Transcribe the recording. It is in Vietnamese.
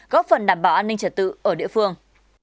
góp phần đảm bảo an ninh trật tự ở địa phương